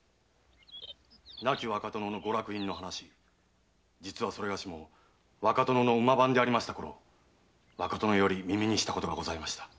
亡き若殿のご落胤の話実はそれがしも若殿の馬番でありましたころ若殿より耳にしたことがございました。